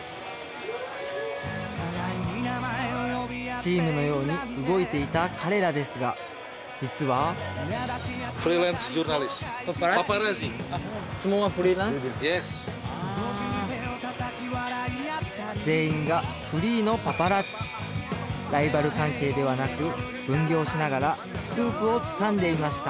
チームのように動いていた彼らですが実は全員がフリーのパパラッチライバル関係ではなく分業しながらスクープをつかんでいました